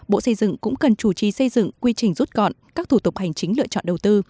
bộ xây dựng cũng cần chủ trì xây dựng quy trình rút gọn các thủ tục hành chính lựa chọn đầu tư